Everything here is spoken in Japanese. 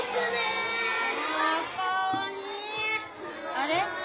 あれ？